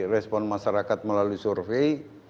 respon masyarakat melalui survei